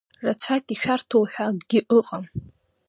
Рацәак ишәарҭоуҳәа акгьы ыҟам.